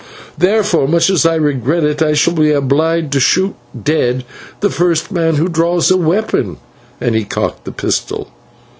Therefore, much as I regret it, I shall be obliged to shoot dead the first man who draws a weapon," and he cocked the pistol.